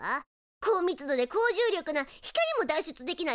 高密度で高重力な光も脱出できない天体のことよ。